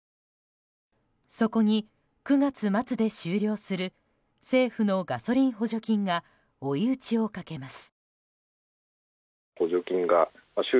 そこに、９月末で終了する政府のガソリン補助金が追い打ちをかけます。